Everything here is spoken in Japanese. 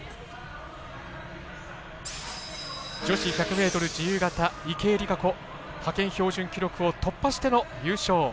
女子１００ｍ自由形池江璃花子、派遣標準記録を突破しての優勝。